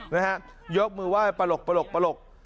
นะฮะยกมือไหว้ปลก